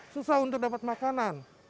susah untuk dapat makanan